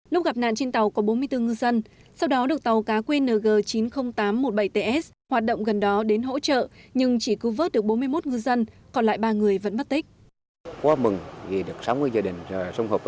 lúc gặp nạn trên tàu có bốn mươi bốn ngư dân sau đó được tàu cá qng chín mươi nghìn tám trăm một mươi bảy ts hoạt động gần đó đến hỗ trợ nhưng chỉ cứu vớt được bốn mươi một ngư dân còn lại ba người vẫn mất tích